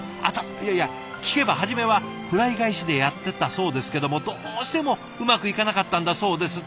いやいや聞けば初めはフライ返しでやってたそうですけどもどうしてもうまくいかなかったんだそうですって。